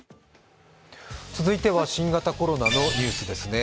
続いては新型コロナのニュースですね。